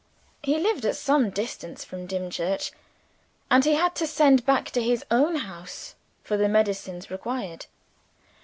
He lived at some distance from Dimchurch; and he had to send back to his own house for the medicines required.